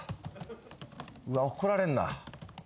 うわ怒られんな。